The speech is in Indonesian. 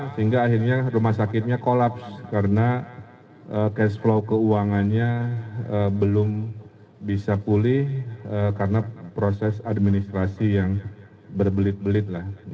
sehingga akhirnya rumah sakitnya kolaps karena cash flow keuangannya belum bisa pulih karena proses administrasi yang berbelit belit lah